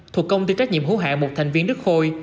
thuộc công ty trách nhiệm hữu hạ một thành viên đức khôi